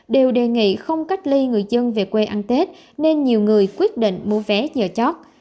đều đề nghị không cách ly người dân về quê ăn tết nên nhiều người quyết định mua vé nhờ chót